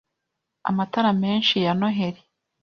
Amatara menshi ya noheli